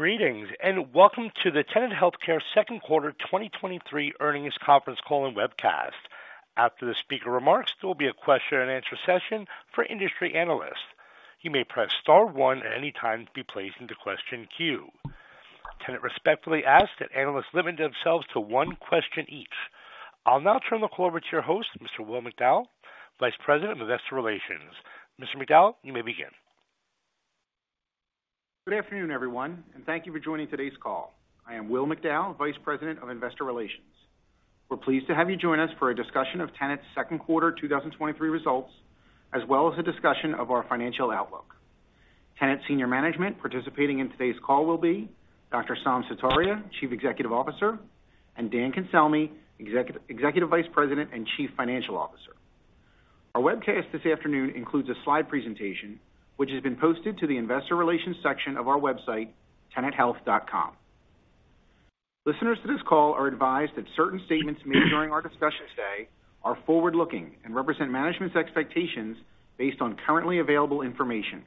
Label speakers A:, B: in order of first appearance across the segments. A: Greetings, welcome to the Tenet Healthcare second quarter 2023 earnings conference call and webcast. After the speaker remarks, there will be a question-and-answer session for industry analysts. You may press star one at any time to be placed into question queue. Tenet respectfully asks that analysts limit themselves to one question each. I'll now turn the call over to your host, Mr. Will McDowell, Vice President of Investor Relations. Mr. McDowell, you may begin.
B: Good afternoon, everyone, and thank you for joining today's call. I am Will McDowell, Vice President of Investor Relations. We're pleased to have you join us for a discussion of Tenet's second quarter 2023 results, as well as a discussion of our financial outlook. Tenet senior management participating in today's call will be Dr. Saum Sutaria, Chief Executive Officer, and Daniel Cancelmi, Executive Vice President and Chief Financial Officer. Our webcast this afternoon includes a slide presentation, which has been posted to the Investor Relations section of our website, tenethealth.com. Listeners to this call are advised that certain statements made during our discussion today are forward-looking and represent management's expectations based on currently available information.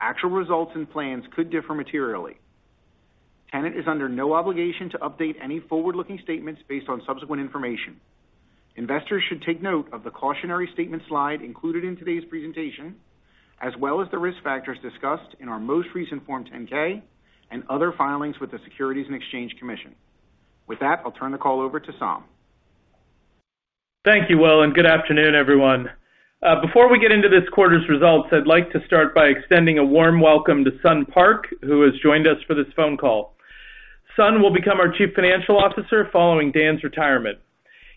B: Actual results and plans could differ materially. Tenet is under no obligation to update any forward-looking statements based on subsequent information. Investors should take note of the cautionary statement slide included in today's presentation, as well as the risk factors discussed in our most recent Form 10-K and other filings with the Securities and Exchange Commission. With that, I'll turn the call over to Sam.
C: Thank you, Will. Good afternoon, everyone. Before we get into this quarter's results, I'd like to start by extending a warm welcome to Sun Park, who has joined us for this phone call. Sun will become our Chief Financial Officer following Dan's retirement.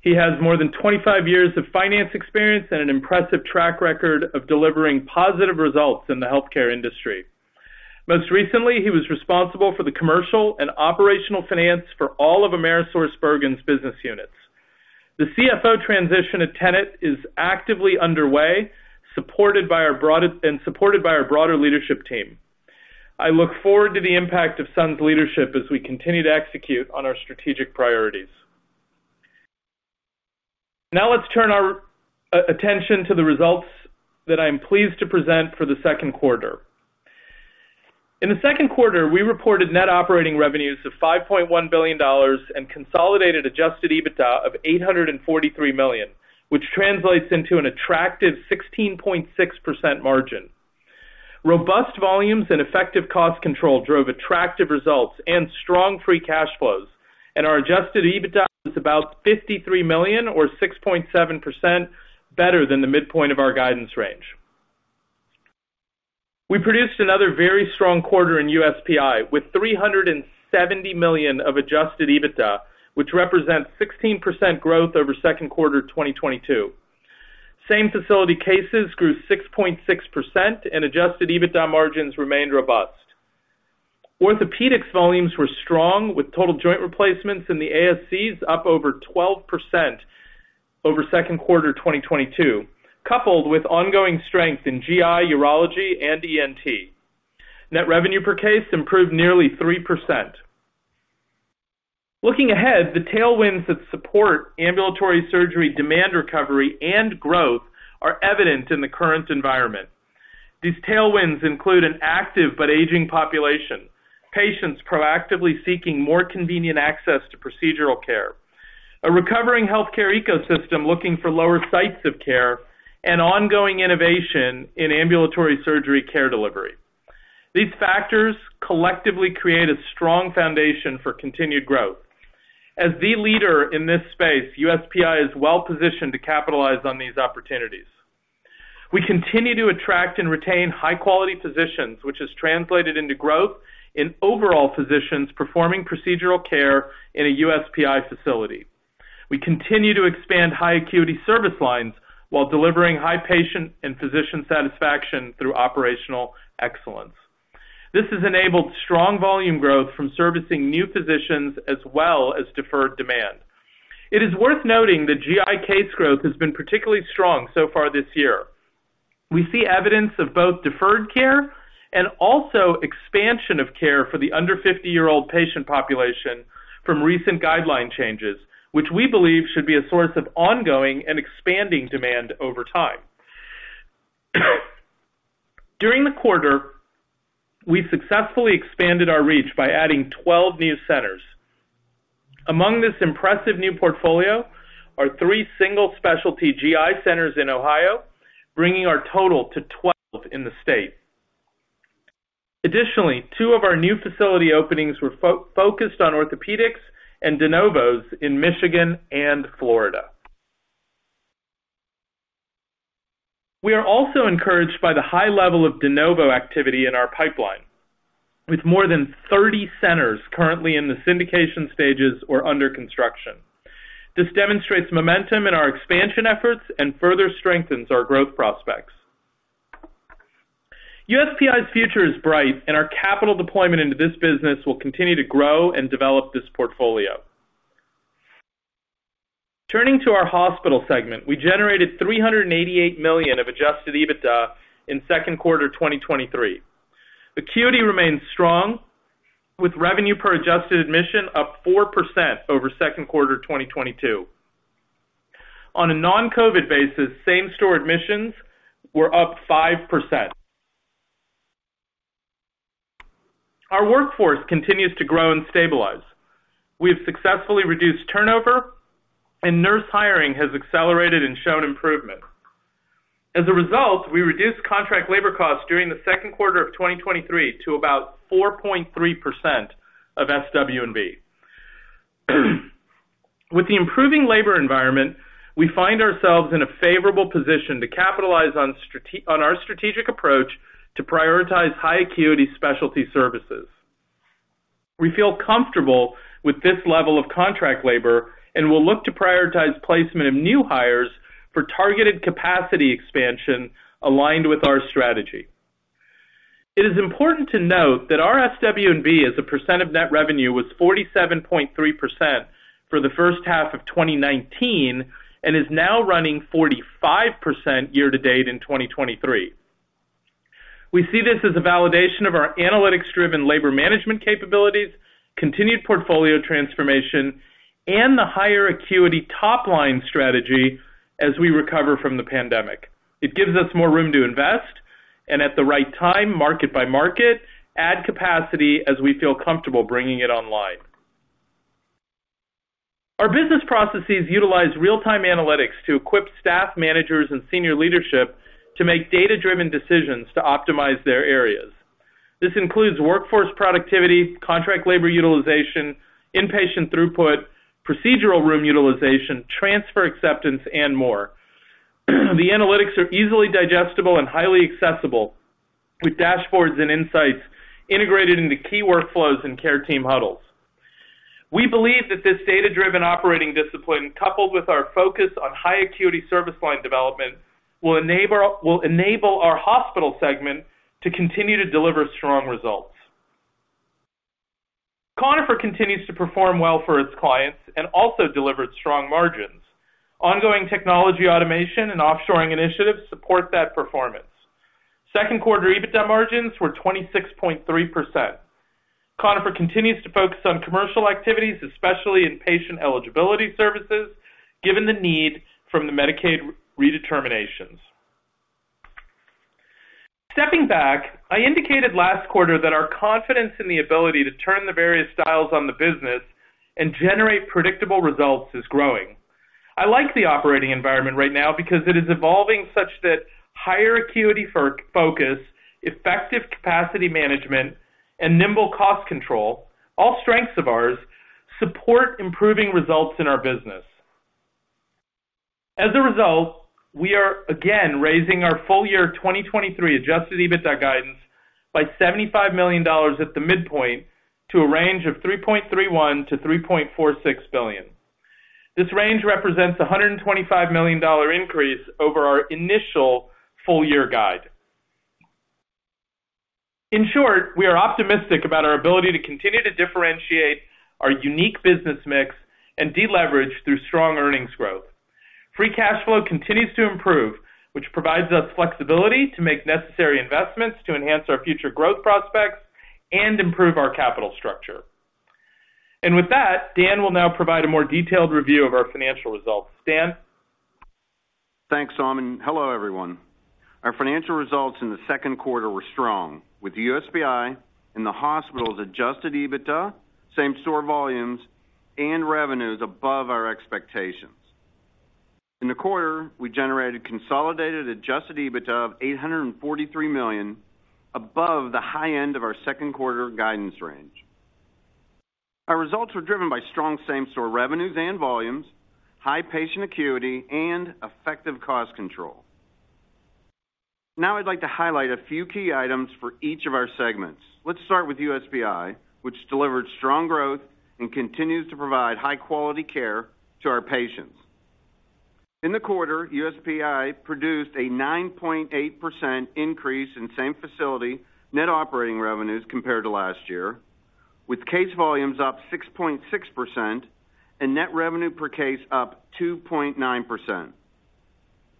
C: He has more than 25 years of finance experience and an impressive track record of delivering positive results in the healthcare industry. Most recently, he was responsible for the commercial and operational finance for all of AmerisourceBergen's business units. The CFO transition at Tenet is actively underway, supported by our broader leadership team. I look forward to the impact of Sun's leadership as we continue to execute on our strategic priorities. Now, let's turn our attention to the results that I am pleased to present for the second quarter. In the second quarter, we reported net operating revenues of $5.1 billion and consolidated adjusted EBITDA of $843 million, which translates into an attractive 16.6% margin. Robust volumes and effective cost control drove attractive results and strong free cash flows, our adjusted EBITDA is about $53 million or 6.7% better than the midpoint of our guidance range. We produced another very strong quarter in USPI, with $370 million of adjusted EBITDA, which represents 16% growth over second quarter 2022. Same-facility cases grew 6.6%, and adjusted EBITDA margins remained robust. Orthopedics volumes were strong, with total joint replacements in the ASCs up over 12% over second quarter 2022, coupled with ongoing strength in GI, urology, and ENT. Net revenue per case improved nearly 3%. Looking ahead, the tailwinds that support ambulatory surgery demand recovery and growth are evident in the current environment. These tailwinds include an active but aging population, patients proactively seeking more convenient access to procedural care, a recovering healthcare ecosystem looking for lower sites of care, and ongoing innovation in ambulatory surgery care delivery. These factors collectively create a strong foundation for continued growth. As the leader in this space, USPI is well positioned to capitalize on these opportunities. We continue to attract and retain high-quality physicians, which has translated into growth in overall physicians performing procedural care in a USPI facility. We continue to expand high acuity service lines while delivering high patient and physician satisfaction through operational excellence. This has enabled strong volume growth from servicing new physicians as well as deferred demand. It is worth noting that GI case growth has been particularly strong so far this year. We see evidence of both deferred care and also expansion of care for the under 50-year-old patient population from recent guideline changes, which we believe should be a source of ongoing and expanding demand over time. During the quarter, we successfully expanded our reach by adding 12 new centers. Among this impressive new portfolio are three single-specialty GI centers in Ohio, bringing our total to 12 in the state. Additionally, two of our new facility openings were focused on orthopedics and de novos in Michigan and Florida. We are also encouraged by the high level of de novo activity in our pipeline, with more than 30 centers currently in the syndication stages or under construction. This demonstrates momentum in our expansion efforts and further strengthens our growth prospects. USPI's future is bright, and our capital deployment into this business will continue to grow and develop this portfolio. Turning to our hospital segment, we generated $388 million of adjusted EBITDA in 2Q 2023. Acuity remains strong, with revenue per adjusted admission up 4% over 2Q 2022. On a non-COVID basis, same-store admissions were up 5%. Our workforce continues to grow and stabilize. We have successfully reduced turnover, and nurse hiring has accelerated and shown improvement. As a result, we reduced contract labor costs during the 2Q 2023 to about 4.3% of SW&B. With the improving labor environment, we find ourselves in a favorable position to capitalize on our strategic approach to prioritize high acuity specialty services. We feel comfortable with this level of contract labor, and we'll look to prioritize placement of new hires for targeted capacity expansion aligned with our strategy. It is important to note that our SW&B, as a percent of net revenue, was 47.3% for the first half of 2019, and is now running 45% year to date in 2023. We see this as a validation of our analytics-driven labor management capabilities, continued portfolio transformation, and the higher acuity top-line strategy as we recover from the pandemic. It gives us more room to invest, and at the right time, market by market, add capacity as we feel comfortable bringing it online. Our business processes utilize real-time analytics to equip staff, managers, and senior leadership to make data-driven decisions to optimize their areas. This includes workforce productivity, contract labor utilization, inpatient throughput, procedural room utilization, transfer acceptance, and more. The analytics are easily digestible and highly accessible, with dashboards and insights integrated into key workflows and care team huddles. We believe that this data-driven operating discipline, coupled with our focus on high acuity service line development, will enable, will enable our hospital segment to continue to deliver strong results. Conifer continues to perform well for its clients and also delivered strong margins. Ongoing technology, automation, and offshoring initiatives support that performance. Second quarter EBITDA margins were 26.3%. Conifer continues to focus on commercial activities, especially in patient eligibility services, given the need from the Medicaid redeterminations. Stepping back, I indicated last quarter that our confidence in the ability to turn the various dials on the business and generate predictable results is growing. I like the operating environment right now because it is evolving such that higher acuity foc-focus, effective capacity management, and nimble cost control, all strengths of ours, support improving results in our business. As a result, we are again raising our full year 2023 adjusted EBITDA guidance by $75 million at the midpoint to a range of $3.31 billion-$3.46 billion. This range represents a $125 million increase over our initial full-year guide. In short, we are optimistic about our ability to continue to differentiate our unique business mix and deleverage through strong earnings growth. Free cash flow continues to improve, which provides us flexibility to make necessary investments to enhance our future growth prospects and improve our capital structure. With that, Dan will now provide a more detailed review of our financial results. Dan?
D: Thanks, Saum. Hello, everyone. Our financial results in the second quarter were strong, with the USPI and the hospital's adjusted EBITDA, same-store volumes, and revenues above our expectations. In the quarter, we generated consolidated adjusted EBITDA of $843 million, above the high end of our second quarter guidance range. Our results were driven by strong same-store revenues and volumes, high patient acuity, and effective cost control. Now, I'd like to highlight a few key items for each of our segments. Let's start with USPI, which delivered strong growth and continues to provide high-quality care to our patients. In the quarter, USPI produced a 9.8% increase in same-facility net operating revenues compared to last year, with case volumes up 6.6% and net revenue per case up 2.9%.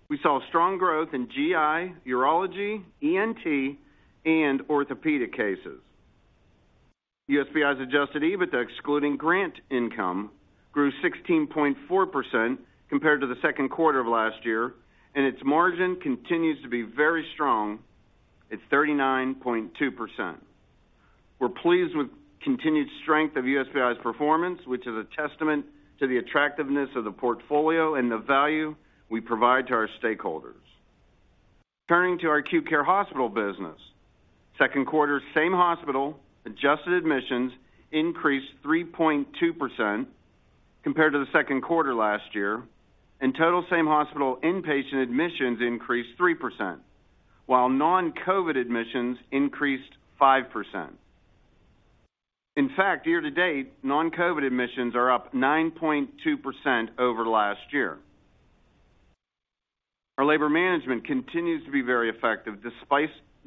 D: We saw strong growth in GI, urology, ENT, and orthopedic cases. USPI's adjusted EBITDA, excluding grant income, grew 16.4% compared to the second quarter of last year, and its margin continues to be very strong at 39.2%. We're pleased with continued strength of USPI's performance, which is a testament to the attractiveness of the portfolio and the value we provide to our stakeholders. Turning to our acute care hospital business. Second quarter, same-hospital adjusted admissions increased 3.2% compared to the second quarter last year, and total same-hospital inpatient admissions increased 3%, while non-COVID admissions increased 5%. In fact, year to date, non-COVID admissions are up 9.2% over last year. Our labor management continues to be very effective,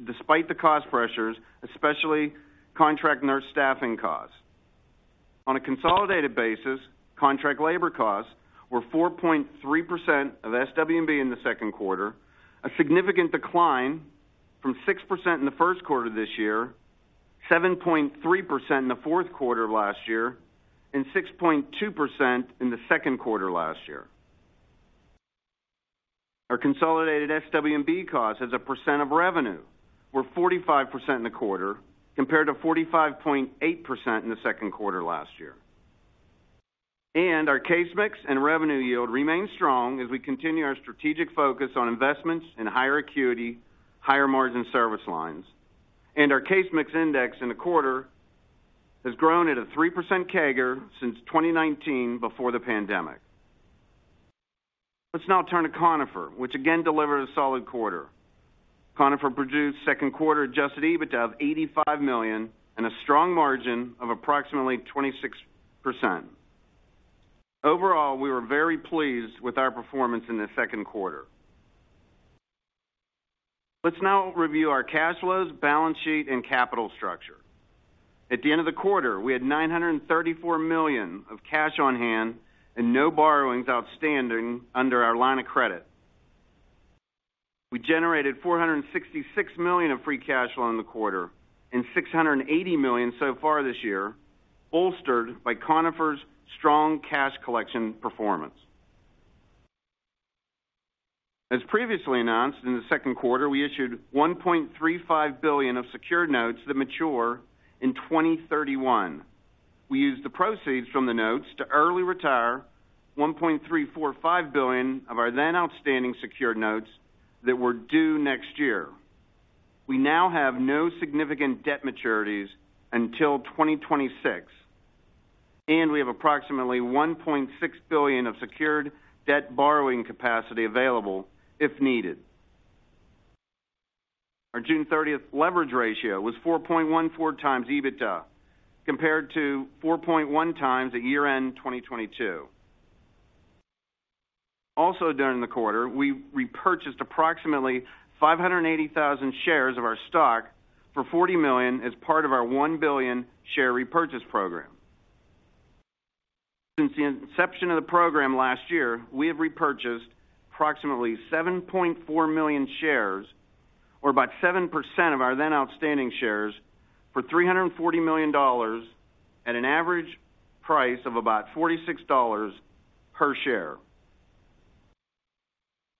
D: despite the cost pressures, especially contract nurse staffing costs. On a consolidated basis, contract labor costs were 4.3% of SW&B in the second quarter, a significant decline from 6% in the first quarter this year, 7.3% in the fourth quarter of last year, and 6.2% in the second quarter last year. Our consolidated SW&B costs as a percent of revenue were 45% in the quarter, compared to 45.8% in the second quarter last year. Our case mix and revenue yield remains strong as we continue our strategic focus on investments in higher acuity, higher margin service lines. Our case mix index in the quarter has grown at a 3% CAGR since 2019 before the pandemic. Let's now turn to Conifer, which again delivered a solid quarter. Conifer produced second quarter adjusted EBITDA of $85 million and a strong margin of approximately 26%. Overall, we were very pleased with our performance in the second quarter. Let's now review our cash flows, balance sheet, and capital structure. At the end of the quarter, we had $934 million of cash on hand and no borrowings outstanding under our line of credit. We generated $466 million of free cash flow in the quarter, and $680 million so far this year, bolstered by Conifer's strong cash collection performance. As previously announced, in the second quarter, we issued $1.35 billion of secured notes that mature in 2031. We used the proceeds from the notes to early retire $1.345 billion of our then outstanding secured notes that were due next year. We now have no significant debt maturities until 2026, and we have approximately $1.6 billion of secured debt borrowing capacity available if needed. Our June 30th leverage ratio was 4.14 times EBITDA, compared to 4.1 times at year-end 2022. Also during the quarter, we repurchased approximately 580,000 shares of our stock for $40 million as part of our $1 billion share repurchase program. Since the inception of the program last year, we have repurchased approximately 7.4 million shares, or about 7% of our then outstanding shares, for $340 million at an average price of about $46 per share.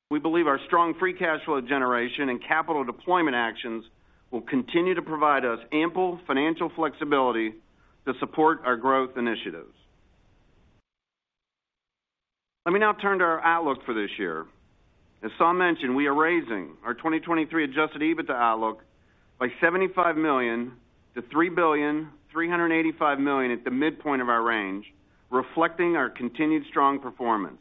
D: We believe our strong free cash flow generation and capital deployment actions will continue to provide us ample financial flexibility to support our growth initiatives. Let me now turn to our outlook for this year. As Saum mentioned, we are raising our 2023 adjusted EBITDA outlook by $75 million to $3.385 billion at the midpoint of our range, reflecting our continued strong performance.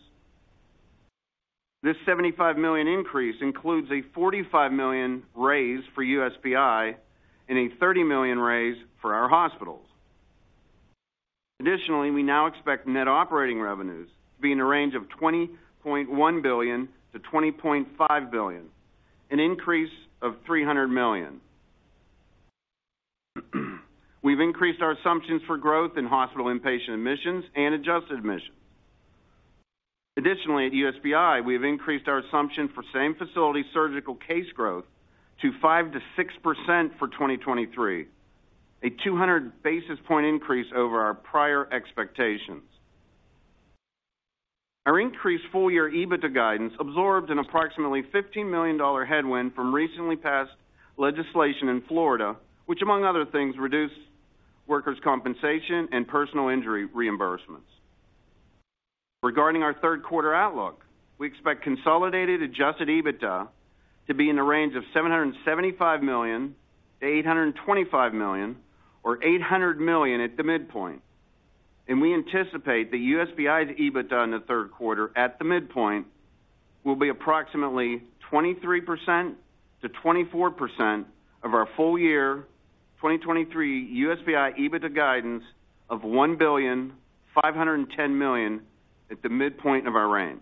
D: This $75 million increase includes a $45 million raise for USPI and a $30 million raise for our hospitals. Additionally, we now expect net operating revenues to be in a range of $20.1 billion-$20.5 billion, an increase of $300 million. We've increased our assumptions for growth in hospital inpatient admissions and adjusted admissions. Additionally, at USPI, we have increased our assumption for same facility surgical case growth to 5%-6% for 2023, a 200 basis point increase over our prior expectations. Our increased full-year EBITDA guidance absorbed an approximately $15 million headwind from recently passed legislation in Florida, which, among other things, reduced workers' compensation and personal injury reimbursements. Regarding our third quarter outlook, we expect consolidated adjusted EBITDA to be in the range of $775 million-$825 million, or $800 million at the midpoint. We anticipate that USPI's EBITDA in the third quarter at the midpoint will be approximately 23%-24% of our full year 2023 USPI EBITDA guidance of $1,510 million at the midpoint of our range.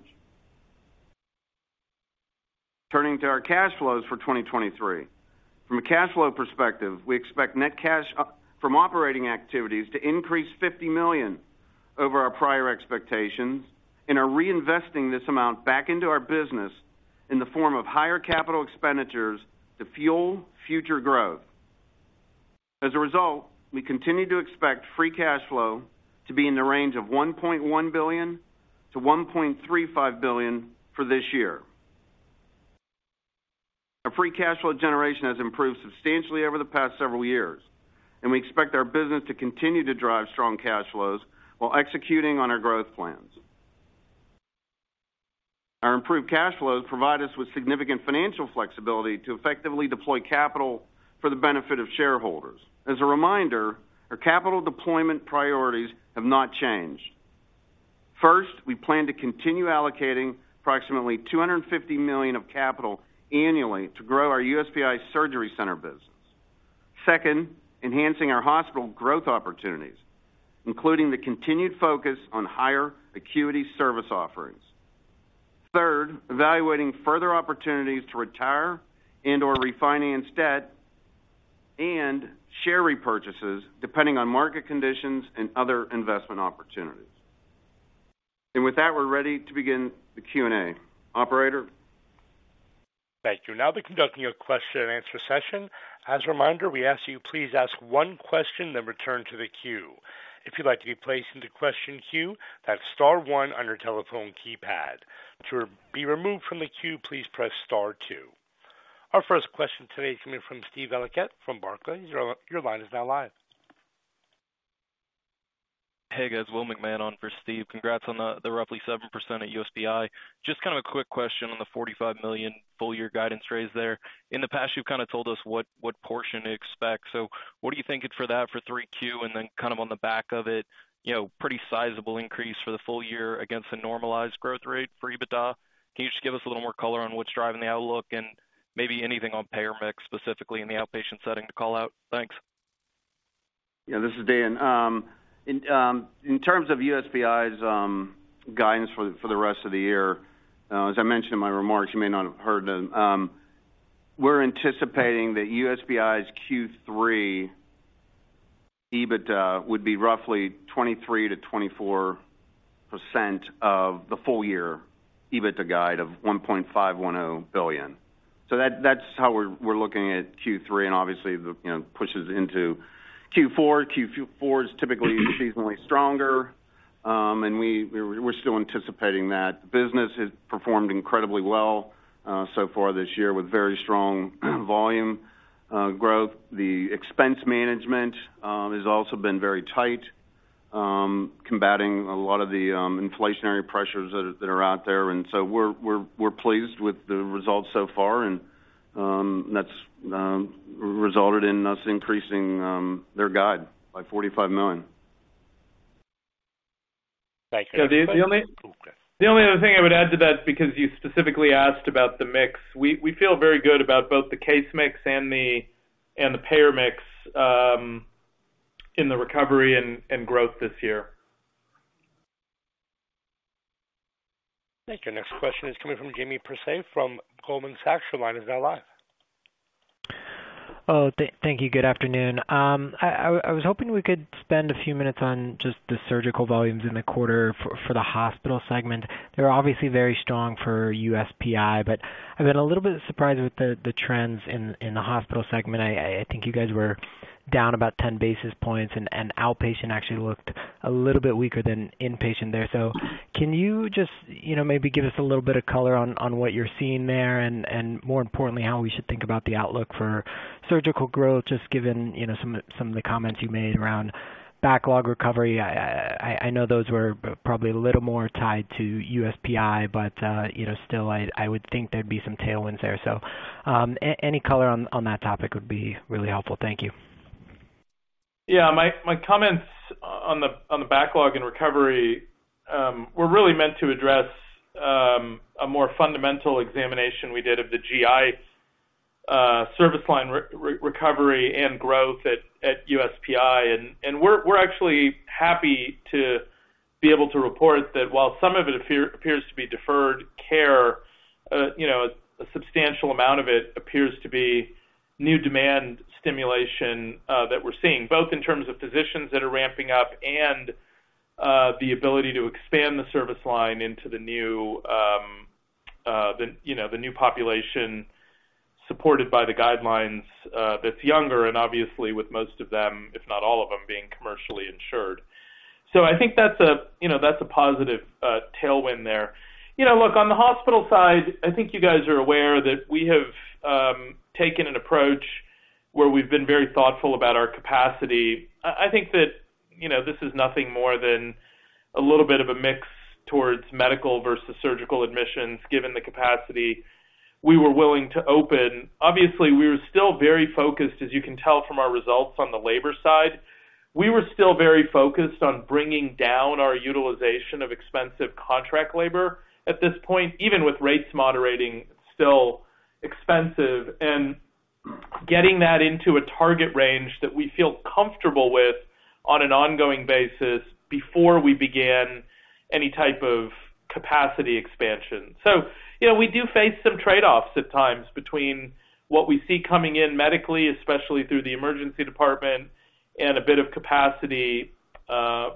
D: Turning to our cash flows for 2023. From a cash flow perspective, we expect net cash from operating activities to increase $50 million over our prior expectations and are reinvesting this amount back into our business in the form of higher capital expenditures to fuel future growth. As a result, we continue to expect free cash flow to be in the range of $1.1 billion- $1.35 billion for this year. Our free cash flow generation has improved substantially over the past several years. We expect our business to continue to drive strong cash flows while executing on our growth plans. Our improved cash flows provide us with significant financial flexibility to effectively deploy capital for the benefit of shareholders. As a reminder, our capital deployment priorities have not changed. First, we plan to continue allocating approximately $250 million of capital annually to grow our USPI surgery center business. Second, enhancing our hospital growth opportunities, including the continued focus on higher acuity service offerings. Third, evaluating further opportunities to retire and/or refinance debt and share repurchases, depending on market conditions and other investment opportunities. With that, we're ready to begin the Q&A. Operator?
A: Thank you. Now we'll be conducting a question-and-answer session. As a reminder, we ask you please ask one question, then return to the queue. If you'd like to be placed into question queue, that's star one on your telephone keypad. To be removed from the queue, please press star two. Our first question today is coming from Steven Valiquette from Barclays. Your line is now live.
E: Hey, guys. Will McMahon on for Steve. Congrats on the, the roughly 7% at USPI. Just kind of a quick question on the $45 million full year guidance raise there. In the past, you've kinda told us what, what portion to expect. What are you thinking for that for 3Q? Then kind of on the back of it, you know, pretty sizable increase for the full year against a normalized growth rate for EBITDA. Can you just give us a little more color on what's driving the outlook and maybe anything on payer mix, specifically in the outpatient setting, to call out? Thanks.
D: Yeah, this is Dan. In terms of USPI's guidance for the rest of the year, as I mentioned in my remarks, you may not have heard them. We're anticipating that USPI's Q3 EBITDA would be roughly 23%-24% of the full year EBITDA guide of $1.510 billion. That, that's how we're, we're looking at Q3, and obviously, the, you know, pushes into Q4. Q4 is typically seasonally stronger, and we, we, we're still anticipating that. Business has performed incredibly well so far this year, with very strong volume growth. The expense management has also been very tight, combating a lot of the inflationary pressures that are, that are out there. So we're, we're, we're pleased with the results so far, and that's resulted in us increasing their guide by $45 million.
E: Thanks.
C: So the only-
E: Okay.
C: The only other thing I would add to that, because you specifically asked about the mix, we, we feel very good about both the case mix and the, and the payer mix, in the recovery and, and growth this year.
A: Thank you. Next question is coming from Jamie Perse from Goldman Sachs. Your line is now live.
F: Thank you. Good afternoon. I was hoping we could spend a few minutes on just the surgical volumes in the quarter for the hospital segment. They're obviously very strong for USPI, but I've been a little bit surprised with the trends in the hospital segment. I think you guys were down about 10 basis points, and outpatient actually looked a little bit weaker than inpatient there. Can you just, you know, maybe give us a little bit of color on what you're seeing there, and more importantly, how we should think about the outlook for surgical growth, just given, you know, some of the comments you made around backlog recovery? I, I, I know those were probably a little more tied to USPI, but, you know, still, I, I would think there'd be some tailwinds there. Any color on, on that topic would be really helpful. Thank you.
C: Yeah. My, my comments on the, on the backlog and recovery, were really meant to address, a more fundamental examination we did of the GI, service line recovery and growth at, at USPI. We're, we're actually happy to be able to report that while some of it appears to be deferred care, you know, a substantial amount of it appears to be new demand stimulation, that we're seeing, both in terms of physicians that are ramping up and, the ability to expand the service line into the new, the, you know, the new population supported by the guidelines, that's younger and obviously with most of them, if not all of them, being commercially insured. I think that's a, you know, that's a positive, tailwind there. You know, look, on the hospital side, I think you guys are aware that we have, taken an approach where we've been very thoughtful about our capacity. I, I think that, you know, this is nothing more than a little bit of a mix towards medical versus surgical admissions, given the capacity we were willing to open. Obviously, we were still very focused, as you can tell from our results on the labor side. We were still very focused on bringing down our utilization of expensive contract labor. At this point, even with rates moderating, still expensive and getting that into a target range that we feel comfortable with on an ongoing basis before we began any type of capacity expansion. You know, we do face some trade-offs at times between what we see coming in medically, especially through the emergency department, and a bit of capacity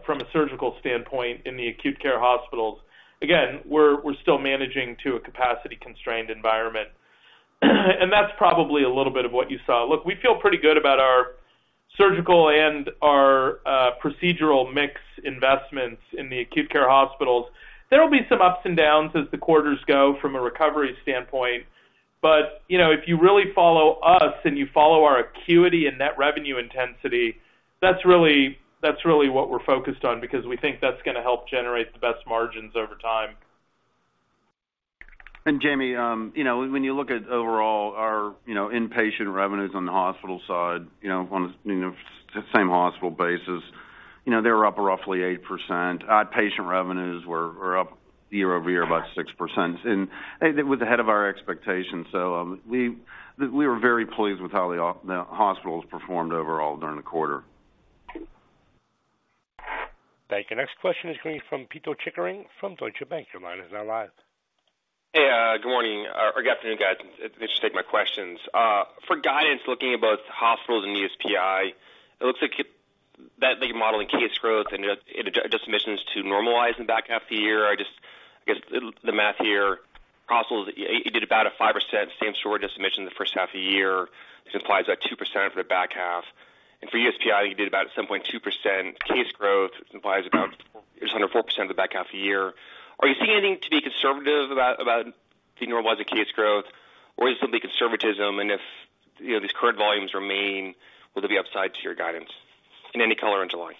C: from a surgical standpoint in the acute care hospitals. Again, we're, we're still managing to a capacity-constrained environment, that's probably a little bit of what you saw. We feel pretty good about our surgical and our procedural mix investments in the acute care hospitals. There will be some ups and downs as the quarters go from a recovery standpoint, you know, if you really follow us and you follow our acuity and net revenue intensity, that's really, that's really what we're focused on because we think that's gonna help generate the best margins over time.
D: Jamie, you know, when you look at overall our, you know, inpatient revenues on the hospital side, you know, on the, you know, the same hospital basis, you know, they were up roughly 8%. Outpatient revenues were, were up year-over-year, about 6%, and it was ahead of our expectations. We, we were very pleased with how the hospitals performed overall during the quarter.
A: Thank you. Next question is coming from Pito Chickering from Deutsche Bank. Your line is now live.
G: Hey, good morning or good afternoon, guys. Thanks for taking my questions. For guidance, looking at both hospitals and USPI, it looks like that they're modeling case growth and admissions to normalize in the back half of the year. I just, I guess, the, the math here, hospitals, you did about a 5% same-store just admission in the first half of the year, which implies about 2% for the back half. For USPI, you did about 7.2% case growth, which implies about just under 4% of the back half of the year. Are you seeing anything to be conservative about, about denormalizing case growth, or is it simply conservatism? If, you know, these current volumes remain, will there be upside to your guidance, and any color on July?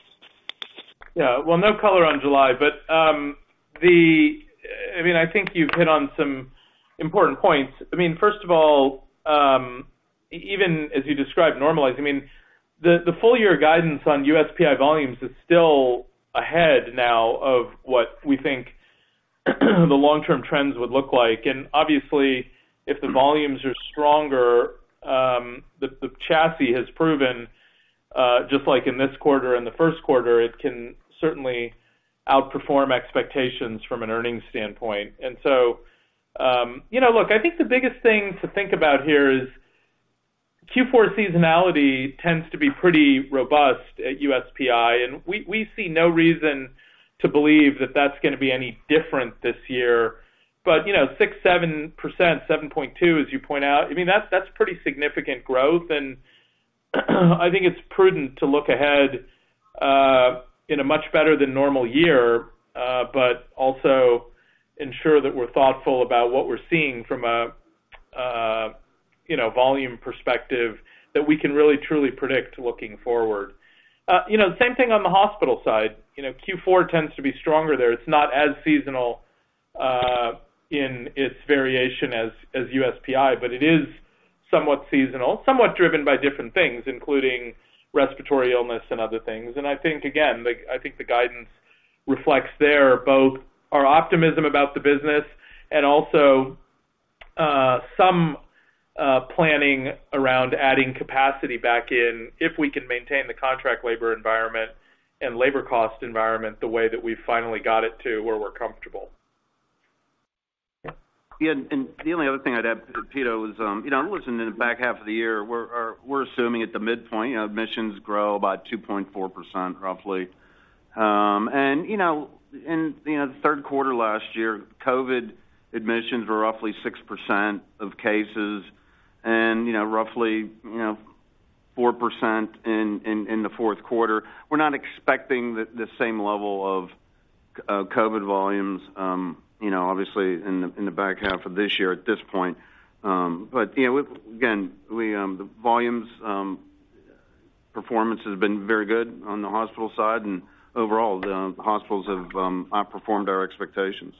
C: Yeah, well, no color on July. I mean, I think you've hit on some important points. I mean, first of all, even as you described normalizing, the full year guidance on USPI volumes is still ahead now of what we think the long-term trends would look like. Obviously, if the volumes are stronger, the chassis has proven, just like in this quarter and the first quarter, it can certainly outperform expectations from an earnings standpoint. So, you know, look, I think the biggest thing to think about here is Q4 seasonality tends to be pretty robust at USPI, and we see no reason to believe that that's going to be any different this year. You know, 6%, 7%, 7.2%, as you point out, I mean, that's, that's pretty significant growth, and I think it's prudent to look ahead in a much better than normal year, but also ensure that we're thoughtful about what we're seeing from a, you know, volume perspective that we can really, truly predict looking forward. You know, same thing on the hospital side. You know, Q4 tends to be stronger there. It's not as seasonal in its variation as USPI, but it is somewhat seasonal, somewhat driven by different things, including respiratory illness and other things. I think, again, the, I think the guidance reflects there both our optimism about the business and also, some, planning around adding capacity back in if we can maintain the contract labor environment and labor cost environment the way that we finally got it to where we're comfortable.
D: Yeah, and, and the only other thing I'd add, Pito, was, you know, I'm listening in the back half of the year, we're, we're assuming at the midpoint, you know, admissions grow by 2.4%, roughly. You know, in, you know, the third quarter last year, COVID admissions were roughly 6% of cases and, you know, roughly, you know, 4% in, in, in the fourth quarter. We're not expecting the, the same level of COVID volumes, you know, obviously in the, in the back half of this year at this point. You know, again, we, the volumes, performance has been very good on the hospital side, and overall, the hospitals have, outperformed our expectations.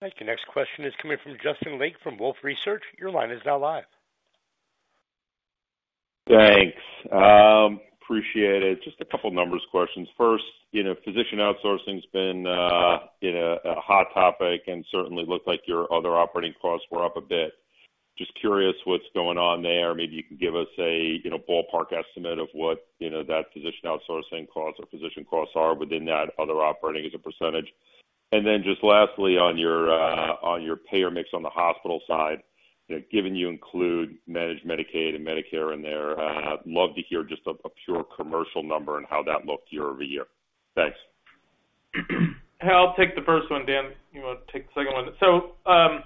A: Thank you. Next question is coming from Justin Lake from Wolfe Research. Your line is now live.
H: Thanks. appreciate it. Just a couple of numbers questions. First, you know, physician outsourcing has been, you know, a hot topic and certainly looks like your other operating costs were up a bit. Just curious what's going on there. Maybe you can give us a, you know, ballpark estimate of what, you know, that physician outsourcing costs or physician costs are within that other operating as a percentage. And then just lastly, on your, on your payer mix on the hospital side, you know, given you include managed Medicaid and Medicare in there, I'd love to hear just a, a pure commercial number and how that looked year-over-year. Thanks.
C: I'll take the first one, Dan, you want to take the second one?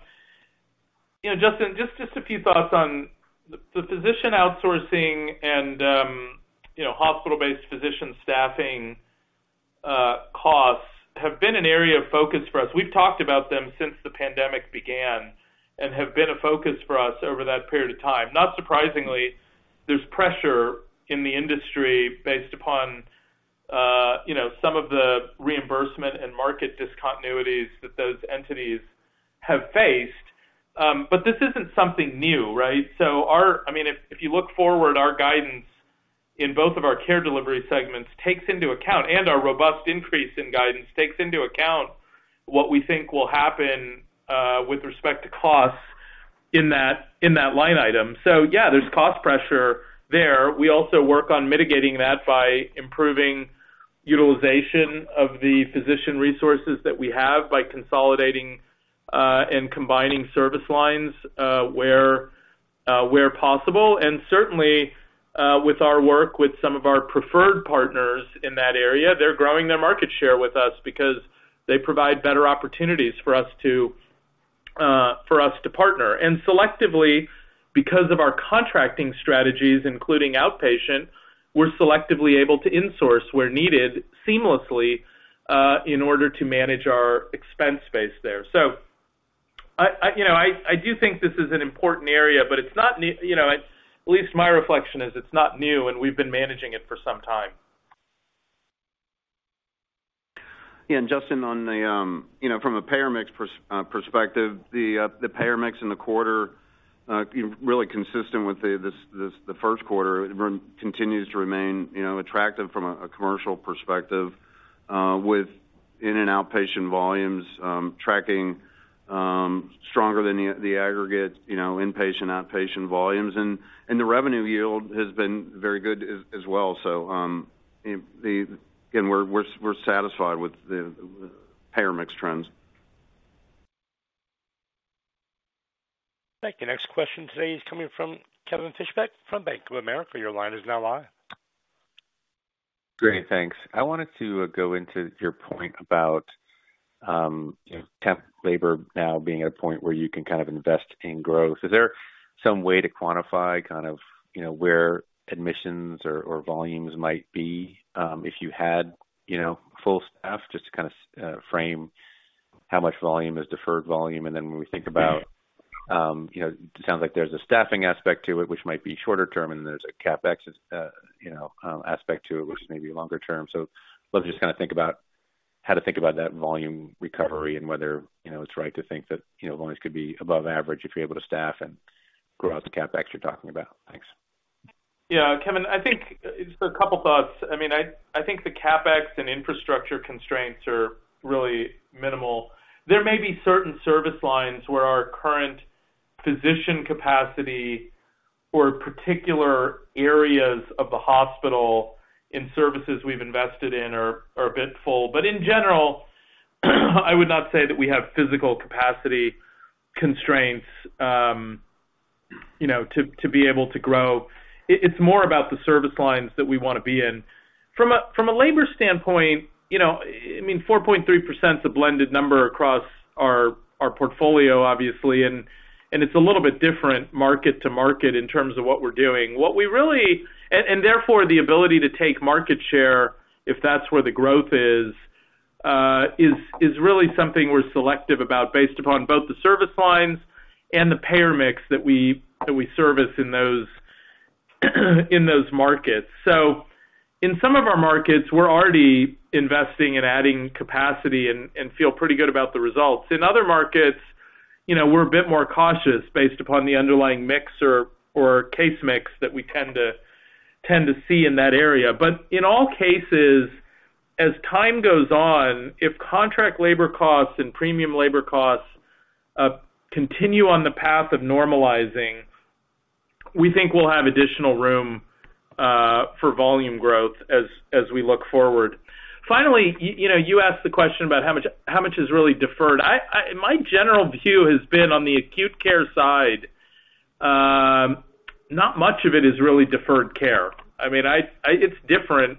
C: You know, Justin, just, just a few thoughts on the, the physician outsourcing and, you know, hospital-based physician staffing costs have been an area of focus for us. We've talked about them since the pandemic began and have been a focus for us over that period of time. Not surprisingly, there's pressure in the industry based upon, you know, some of the reimbursement and market discontinuities that those entities have faced. But this isn't something new, right? I mean, if, if you look forward, our guidance in both of our care delivery segments takes into account, and our robust increase in guidance takes into account what we think will happen with respect to costs in that, in that line item. Yeah, there's cost pressure there. We also work on mitigating that by improving utilization of the physician resources that we have by consolidating and combining service lines where possible. Certainly, with our work with some of our preferred partners in that area, they're growing their market share with us because they provide better opportunities for us to for us to partner. Selectively, because of our contracting strategies, including outpatient, we're selectively able to insource where needed seamlessly in order to manage our expense base there. I, I, you know, I, I do think this is an important area, but it's not, you know, at least my reflection is it's not new, and we've been managing it for some time.
D: Yeah, Justin, on the, you know, from a payer mix perspective, the payer mix in the quarter, really consistent with the first quarter, continues to remain, you know, attractive from a commercial perspective, with in and outpatient volumes, tracking stronger than the aggregate, you know, inpatient, outpatient volumes. The revenue yield has been very good as well. Again, we're satisfied with the payer mix trends.
A: Thank you. Next question today is coming from Kevin Fischbeck from Bank of America. Your line is now live.
I: Great, thanks. I wanted to go into your point about, you know, temp labor now being at a point where you can kind of invest in growth. Is there some way to quantify kind of, you know, where admissions or, or volumes might be, if you had, you know, full staff, just to kind of, frame how much volume is deferred volume? Then when we think about, you know, it sounds like there's a staffing aspect to it, which might be shorter term, and there's a CapEx, you know, aspect to it, which may be longer term. Love to just kinda think about how to think about that volume recovery and whether, you know, it's right to think that, you know, volumes could be above average if you're able to staff and grow out the CapEx you're talking about. Thanks.
C: Yeah, Kevin, I think just a couple thoughts. I mean, I, I think the CapEx and infrastructure constraints are really minimal. There may be certain service lines where our current physician capacity or particular areas of the hospital in services we've invested in are, are a bit full. In general, I would not say that we have physical capacity constraints, you know, to, to be able to grow. It, it's more about the service lines that we wanna be in. From a... from a labor standpoint, you know, I mean, 4.3% is a blended number across our, our portfolio, obviously, and, and it's a little bit different market to market in terms of what we're doing. And therefore, the ability to take market share, if that's where the growth is, is really something we're selective about based upon both the service lines and the payer mix that we service in those markets. In some of our markets, we're already investing and adding capacity and feel pretty good about the results. In other markets, you know, we're a bit more cautious based upon the underlying mix or case mix that we tend to see in that area. In all cases, as time goes on, if contract labor costs and premium labor costs continue on the path of normalizing, we think we'll have additional room for volume growth as we look forward. Finally, you know, you asked the question about how much is really deferred. My general view has been on the acute care side, not much of it is really deferred care. I mean, it's different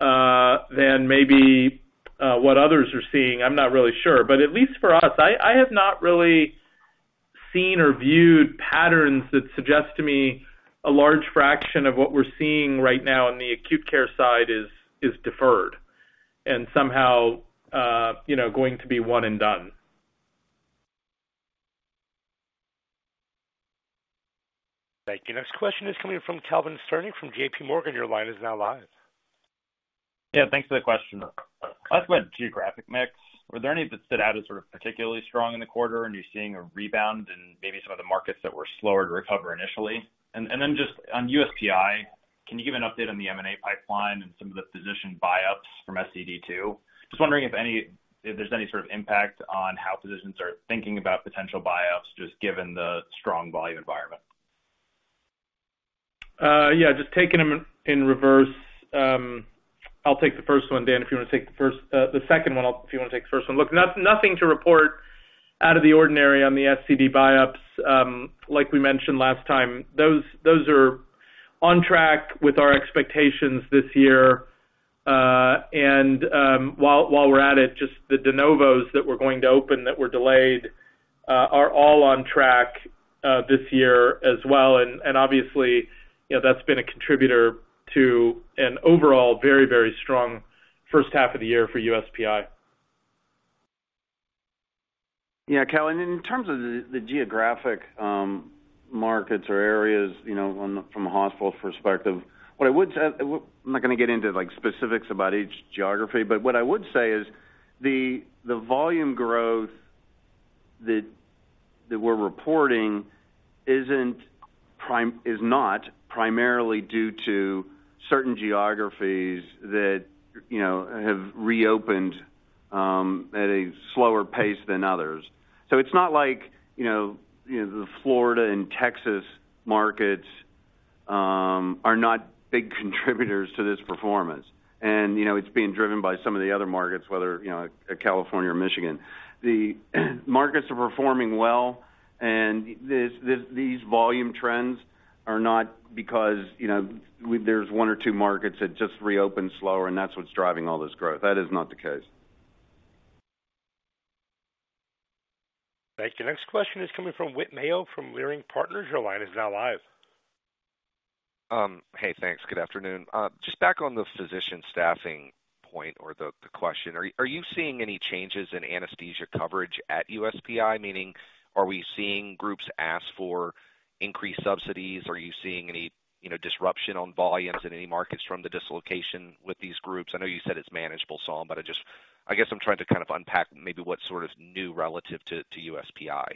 C: than maybe what others are seeing. I'm not really sure. At least for us, I have not really seen or viewed patterns that suggest to me a large fraction of what we're seeing right now on the acute care side is, is deferred and somehow, you know, going to be one and done.
A: Thank you. Next question is coming from Calvin Sternick from JPMorgan. Your line is now live.
J: Yeah, thanks for the question. I went geographic mix. Were there any that stood out as sort of particularly strong in the quarter? Are you seeing a rebound in maybe some of the markets that were slower to recover initially? Then just on USPI, can you give an update on the M&A pipeline and some of the physician buyups from SCD 2? Just wondering if there's any sort of impact on how physicians are thinking about potential buyups, just given the strong volume environment.
C: Yeah, just taking them in reverse. I'll take the first one, Dan, if you want to take the first, the second one, I'll if you want to take the first one. Look, nothing to report out of the ordinary on the SCD buyups. Like we mentioned last time, those, those are on track with our expectations this year. While, while we're at it, just the De Novos that we're going to open that were delayed, are all on track, this year as well. Obviously, you know, that's been a contributor to an overall very, very strong first half of the year for USPI.
D: Yeah, Calvin, in terms of the, the geographic markets or areas, you know, from a hospital perspective, what I would say, I'm not going to get into, like, specifics about each geography, but what I would say is the, the volume growth that, that we're reporting is not primarily due to certain geographies that, you know, have reopened at a slower pace than others. It's not like, you know, the Florida and Texas markets are not big contributors to this performance. You know, it's being driven by some of the other markets, whether, you know, California or Michigan. The markets are performing well, and these volume trends are not because, you know, we, there's one or two markets that just reopened slower, and that's what's driving all this growth. That is not the case.
A: Thank you. Next question is coming from Whit Mayo from Leerink Partners. Your line is now live.
K: Hey, thanks. Good afternoon. Just back on the physician staffing point or the, the question, are, are you seeing any changes in anesthesia coverage at USPI? Meaning, are we seeing groups ask for increased subsidies? Are you seeing any, you know, disruption on volumes in any markets from the dislocation with these groups? I know you said it's manageable, Saum, but I just, I guess I'm trying to kind of unpack maybe what sort of new relative to, to USPI.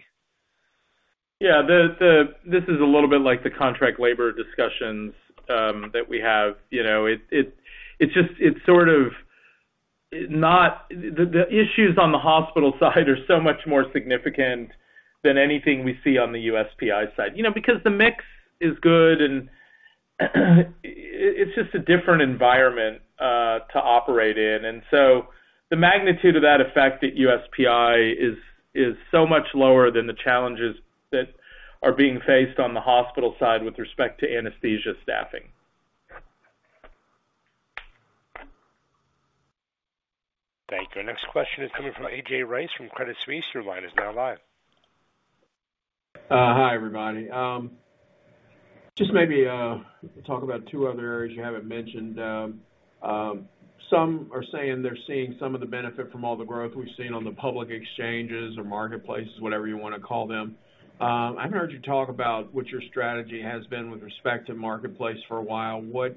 C: Yeah, the, the, this is a little bit like the contract labor discussions that we have. You know, it's just, it's sort of not... The issues on the hospital side are so much more significant than anything we see on the USPI side. You know, because the mix is good. It's just a different environment to operate in. So the magnitude of that effect at USPI is, is so much lower than the challenges that are being faced on the hospital side with respect to anesthesia staffing.
A: Thank you. Our next question is coming from A.J. Rice from Credit Suisse. Your line is now live.
L: Hi, everybody. Just maybe, talk about two other areas you haven't mentioned. Some are saying they're seeing some of the benefit from all the growth we've seen on the public exchanges or marketplaces, whatever you wanna call them. I've heard you talk about what your strategy has been with respect to marketplace for a while. What,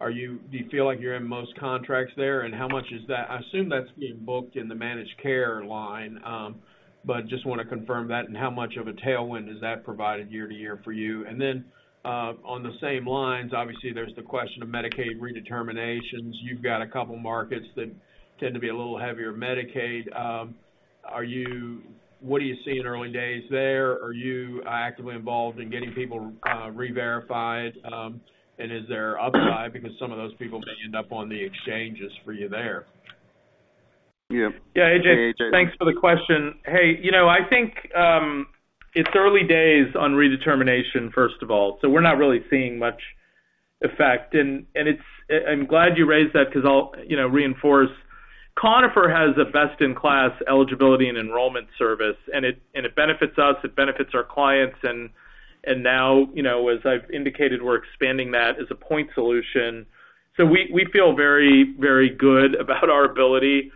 L: are you-- do you feel like you're in most contracts there? How much is that? I assume that's being booked in the managed care line, but just wanna confirm that, and how much of a tailwind has that provided year-to-year for you? Then, on the same lines, obviously, there's the question of Medicaid redeterminations. You've got a couple markets that tend to be a little heavier Medicaid. Are you-- what are you seeing early days there? Are you actively involved in getting people, reverified? Is there upside because some of those people may end up on the exchanges for you there?
C: Yeah.Yeah, A.J., thanks for the question. Hey, you know, I think, it's early days on redetermination, first of all, so we're not really seeing much effect. It's I'm glad you raised that because I'll, you know, reinforce. Conifer has a best-in-class eligibility and enrollment service, and it benefits us, it benefits our clients, and now, you know, as I've indicated, we're expanding that as a point solution. We feel very, very good about our ability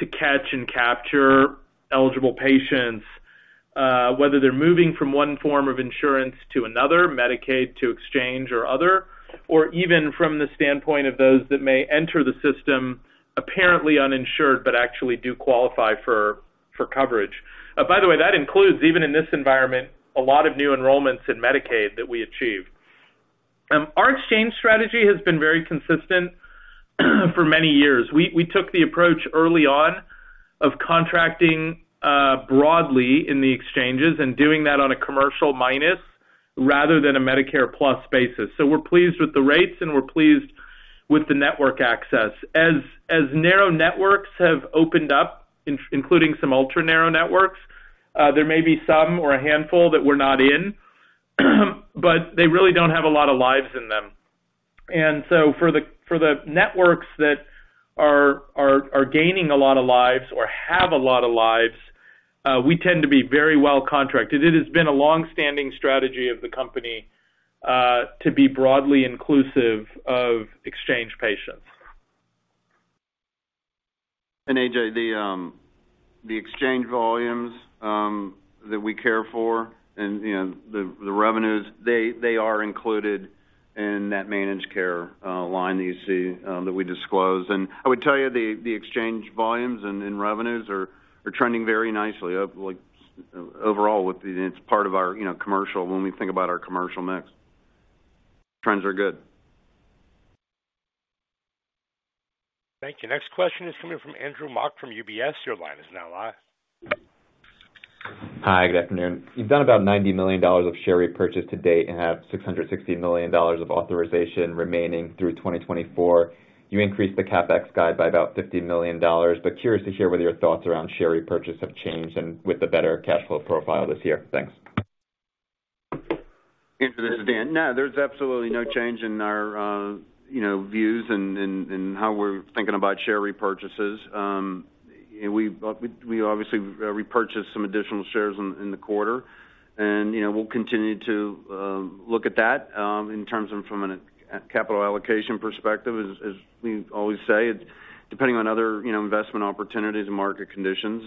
C: to catch and capture eligible patients, whether they're moving from one form of insurance to another, Medicaid to exchange or other, or even from the standpoint of those that may enter the system, apparently uninsured, but actually do qualify for, for coverage. By the way, that includes, even in this environment, a lot of new enrollments in Medicaid that we achieve. Our exchange strategy has been very consistent, for many years. We, we took the approach early on of contracting, broadly in the exchanges and doing that on a commercial minus rather than a Medicare plus basis. We're pleased with the rates, and we're pleased with the network access. As, as narrow networks have opened up, including some ultra-narrow networks, there may be some or a handful that we're not in, but they really don't have a lot of lives in them. For the, for the networks that are gaining a lot of lives or have a lot of lives, we tend to be very well contracted. It has been a long-standing strategy of the company, to be broadly inclusive of exchange patients.
D: A.J., the exchange volumes that we care for and, you know, the revenues, they are included in that managed care line that you see that we disclose. I would tell you, the exchange volumes and revenues are trending very nicely. Like, overall, it's part of our, you know, commercial, when we think about our commercial mix. Trends are good.
A: Thank you. Next question is coming from Andrew Mok from UBS. Your line is now live.
M: Hi, good afternoon. You've done about $90 million of share repurchase to date and have $660 million of authorization remaining through 2024. You increased the CapEx guide by about $50 million, curious to hear whether your thoughts around share repurchase have changed and with the better cash flow profile this year. Thanks.
D: Andrew, this is Dan. No, there's absolutely no change in our, you know, views and, and, and how we're thinking about share repurchases. We, we obviously repurchased some additional shares in, in the quarter, and, you know, we'll continue to look at that in terms of from a capital allocation perspective. As we always say, it's depending on other, you know, investment opportunities and market conditions,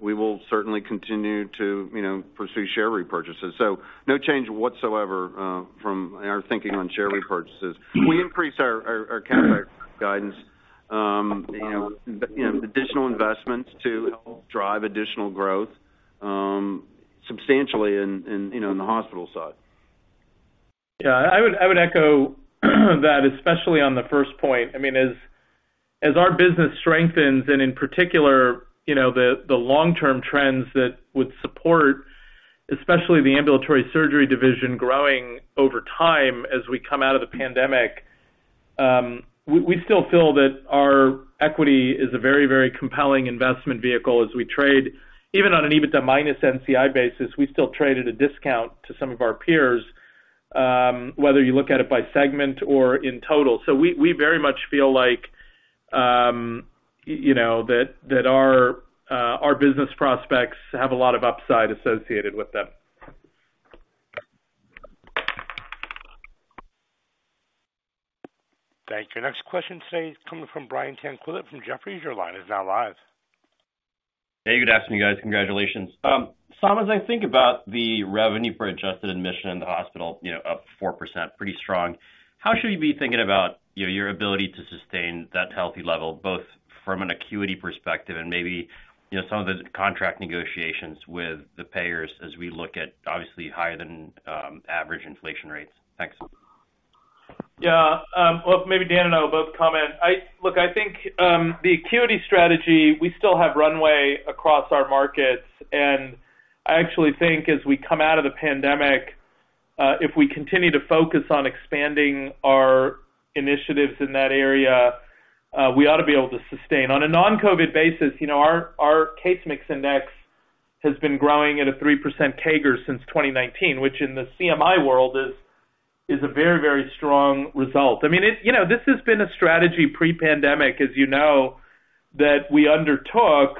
D: we will certainly continue to, you know, pursue share repurchases. No change whatsoever from our thinking on share repurchases. We increased our, our, our CapEx guidance, you know, additional investments to help drive additional growth substantially in, in, you know, in the hospital side.
C: Yeah, I would, I would echo that, especially on the first point. I mean, as, as our business strengthens, and in particular, you know, the, the long-term trends that would support, especially the ambulatory surgery division growing over time as we come out of the pandemic, we, we still feel that our equity is a very, very compelling investment vehicle as we trade. Even on an EBITDA minus NCI basis, we still trade at a discount to some of our peers, whether you look at it by segment or in total. We, we very much feel like, you know, that, that our business prospects have a lot of upside associated with them.
A: Thank you. Next question today is coming from Brian Tanquilut from Jefferies. Your line is now live.
N: Hey, good afternoon, guys. Congratulations. Saum, as I think about the revenue for adjusted admission in the hospital, you know, up 4%, pretty strong, how should we be thinking about, you know, your ability to sustain that healthy level, both from an acuity perspective and maybe, you know, some of the contract negotiations with the payers as we look at obviously higher than average inflation rates? Thanks.
C: Yeah, well, maybe Dan and I will both comment. I, look, I think, the acuity strategy, we still have runway across our markets, and I actually think as we come out of the pandemic, if we continue to focus on expanding our initiatives in that area, we ought to be able to sustain. On a non-COVID basis, you know, our case mix index has been growing at a 3% CAGR since 2019, which in the CMI world is, is a very, very strong result. I mean, it, you know, this has been a strategy pre-pandemic, as you know, that we undertook,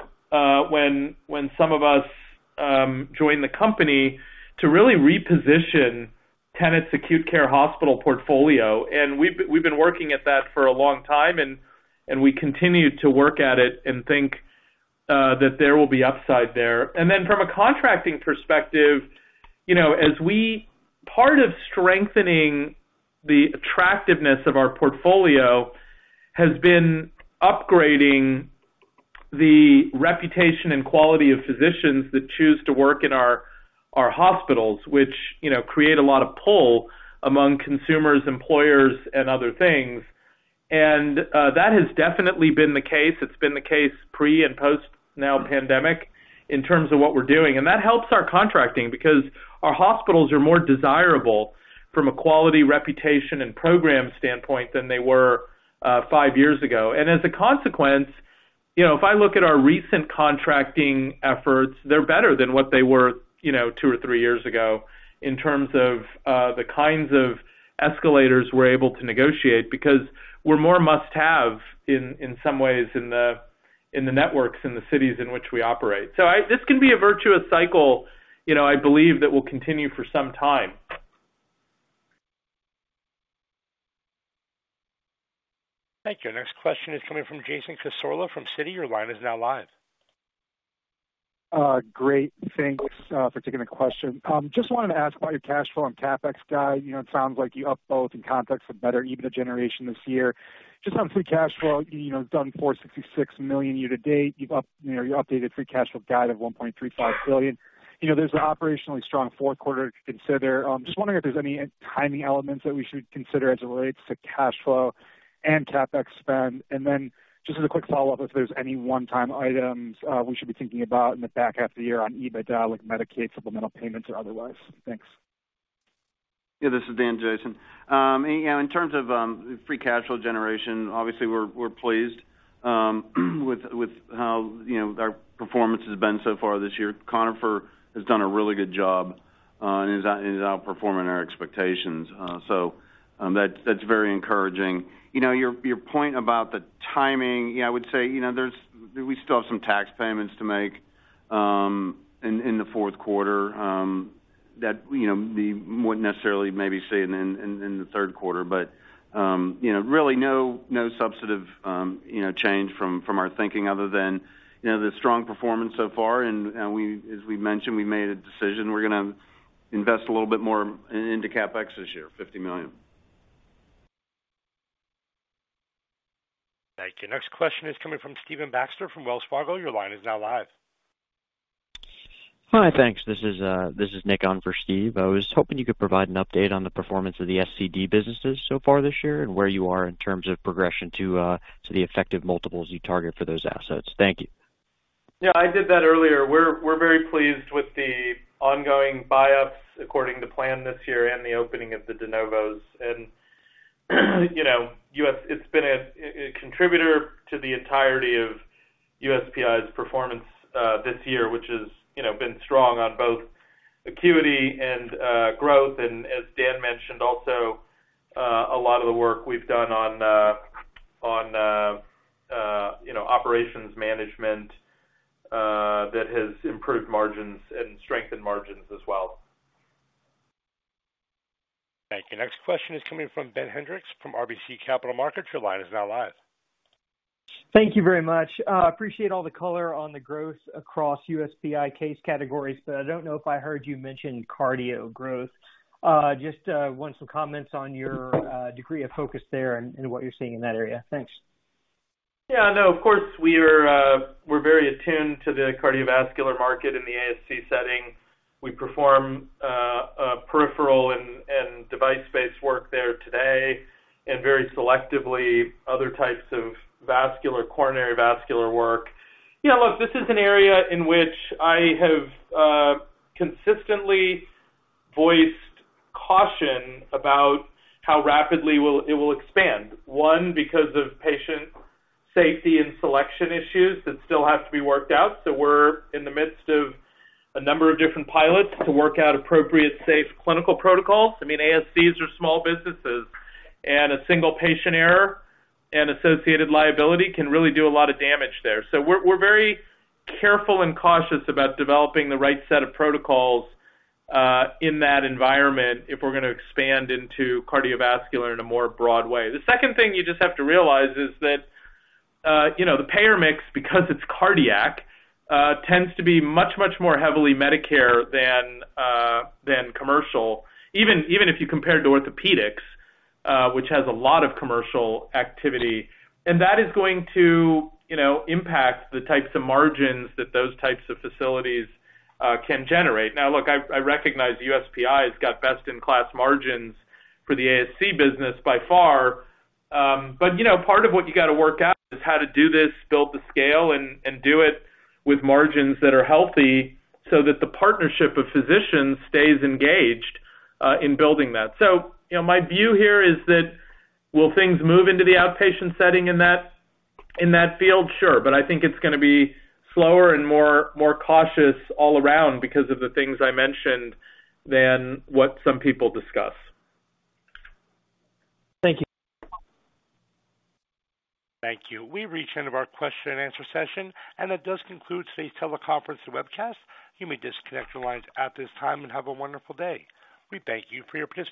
C: when, when some of us, joined the company, to really reposition Tenet's acute care hospital portfolio. We've been, we've been working at that for a long time, and we continue to work at it and think that there will be upside there. From a contracting perspective, you know, part of strengthening the attractiveness of our portfolio has been upgrading the reputation and quality of physicians that choose to work in our hospitals, which, you know, create a lot of pull among consumers, employers, and other things. That has definitely been the case. It's been the case pre- and post- now pandemic, in terms of what we're doing. That helps our contracting because our hospitals are more desirable from a quality, reputation, and program standpoint than they were, five years ago. As a consequence, you know, if I look at our recent contracting efforts, they're better than what they were, you know, two or three years ago in terms of the kinds of escalators we're able to negotiate, because we're more must-have in, in some ways, in the, in the networks, in the cities in which we operate. This can be a virtuous cycle, you know, I believe that will continue for some time.
A: Thank you. Next question is coming from Jason Cassorla from Citi. Your line is now live.
O: Great. Thanks for taking the question. Just wanted to ask about your cash flow and CapEx guide. You know, it sounds like you upped both in context of better EBITDA generation this year. Just on free cash flow, you know, done $466 million year to date. You've up, you know, you updated free cash flow guide of $1.35 billion. You know, there's an operationally strong fourth quarter to consider. Just wondering if there's any timing elements that we should consider as it relates to cash flow and CapEx spend. Then just as a quick follow-up, if there's any one-time items we should be thinking about in the back half of the year on EBITDA, like Medicaid, supplemental payments, or otherwise? Thanks.
D: Yeah, this is Dan, Jason. You know, in terms of free cash flow generation, obviously, we're, we're pleased with, with how, you know, our performance has been so far this year. Conifer has done a really good job, and is outperforming our expectations. That's, that's very encouraging. You know, your, your point about the timing, yeah, I would say, you know, there's, we still have some tax payments to make in, in the fourth quarter that, you know, we wouldn't necessarily maybe see in, in the third quarter, but, you know, really no, no substantive change from, from our thinking other than, you know, the strong performance so far. And we, as we mentioned, we made a decision, we're gonna invest a little bit more into CapEx this year, $50 million.
A: Thank you. Next question is coming from Stephen Baxter from Wells Fargo. Your line is now live.
P: Hi, thanks. This is, this is Nick on for Steve. I was hoping you could provide an update on the performance of the SCD businesses so far this year and where you are in terms of progression to, to the effective multiples you target for those assets. Thank you.
C: Yeah, I did that earlier. We're, we're very pleased with the ongoing buyups according to plan this year and the opening of the De Novos. You know, it's been a, a contributor to the entirety of USPI's performance, this year, which has, you know, been strong on both acuity and growth. As Dan mentioned, also, a lot of the work we've done on, you know, operations management, that has improved margins and strengthened margins as well.
A: Thank you. Next question is coming from Ben Hendrix from RBC Capital Markets. Your line is now live.
Q: Thank you very much. Appreciate all the color on the growth across USPI case categories, but I don't know if I heard you mention cardio growth. Just want some comments on your degree of focus there and what you're seeing in that area. Thanks.
C: Yeah, no, of course, we're very attuned to the cardiovascular market in the ASC setting. We perform a peripheral and device-based work there today, and very selectively, other types of vascular, coronary vascular work. Yeah, look, this is an area in which I have consistently voiced caution about how rapidly it will expand. One, because of patient safety and selection issues that still have to be worked out. We're in the midst of a number of different pilots to work out appropriate, safe clinical protocols. I mean, ASCs are small businesses, and a single patient error and associated liability can really do a lot of damage there. We're, we're very careful and cautious about developing the right set of protocols in that environment if we're gonna expand into cardiovascular in a more broad way. The second thing you just have to realize is that, you know, the payer mix, because it's cardiac, tends to be much, much more heavily Medicare than commercial, even, even if you compare it to orthopedics, which has a lot of commercial activity. That is going to, you know, impact the types of margins that those types of facilities can generate. Now, look, I, I recognize USPI has got best-in-class margins for the ASC business by far. But, you know, part of what you got to work out is how to do this, build the scale and, and do it with margins that are healthy so that the partnership of physicians stays engaged in building that. You know, my view here is that; "Will things move into the outpatient setting in that, in that field?" Sure. I think it's gonna be slower and more, more cautious all around because of the things I mentioned, than what some people discuss.
Q: Thank you.
A: Thank you. We've reached the end of our question and answer session. That does conclude today's teleconference and webcast. You may disconnect your lines at this time and have a wonderful day. We thank you for your participation.